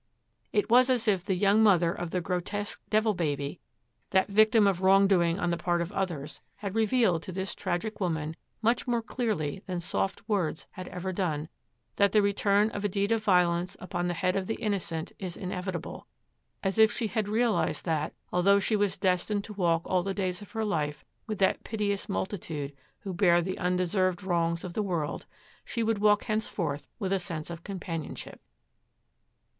It was as if the young mother of the grotesque Devil Baby, that victim of wrongdoing on the part of others, had revealed to this tragic woman, much more clearly than soft words had ever done, that the return of a deed of violence upon the head of the innocent is inevitable; as if she had realized that, although she was destined to walk all the days of her life with that piteous multitude who bear the undeserved wrongs of the world, she would walk henceforth with a sense of companionship.